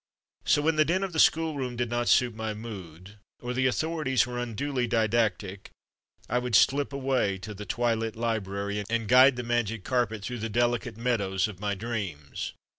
So when the din of the schoolroom did not suit my mood, or the authorities were 80 THE DAY BEFORE YESTERDAY unduly didactic, I would slip away to the twilit library and guide the magic carpet through the delicate meadows of my dreams.